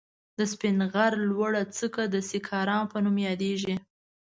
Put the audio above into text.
د سپين غر لوړه څکه د سيکارام په نوم ياديږي.